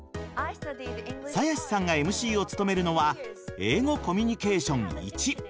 鞘師さんがＭＣを務めるのは「英語コミュニケーションⅠ」。